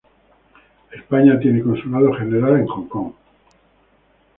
España tiene un consulado general en Hong Kong.